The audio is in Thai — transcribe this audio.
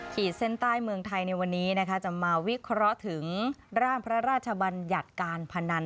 ขีดเส้นใต้เมืองไทยในวันนี้นะคะจะมาวิเคราะห์ถึงร่างพระราชบัญญัติการพนัน